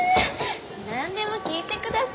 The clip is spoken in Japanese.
何でも聞いてください。